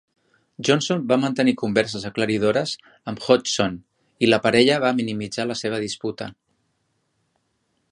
Johnson va mantenir converses aclaridores amb Hodgson i la parella va minimitzar la seva disputa.